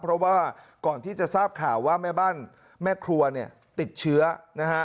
เพราะว่าก่อนที่จะทราบข่าวว่าแม่บ้านแม่ครัวเนี่ยติดเชื้อนะฮะ